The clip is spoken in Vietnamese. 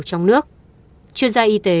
trong nước chuyên gia y tế